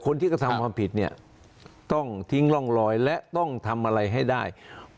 คนที่กระทำความผิดเนี่ยต้องทิ้งร่องรอยและต้องทำอะไรให้ได้